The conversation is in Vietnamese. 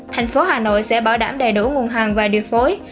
thành phố hà nội sẽ bảo đảm đầy đủ nguồn hàng và điều phối